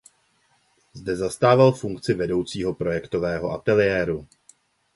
Zde zastával funkci vedoucího projektového ateliéru.